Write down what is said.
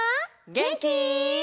げんき？